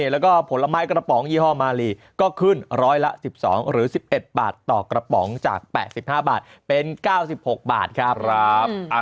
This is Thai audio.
แล้วก็ผลไม้กระป๋องยี่ห้อมาลีก็ขึ้นร้อยละ๑๒หรือ๑๑บาทต่อกระป๋องจาก๘๕บาทเป็น๙๖บาทครับ